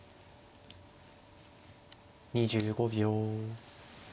２５秒。